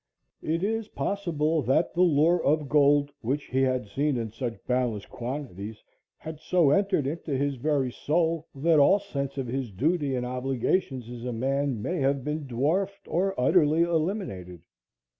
It is possible that the lure of gold, which he had seen in such boundless quantities, had so entered into his very soul that all sense of his duty and obligations as a man may have been dwarfed or utterly eliminated.